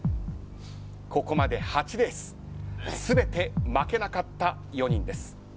ここまで８レース全て負けなかった４人です。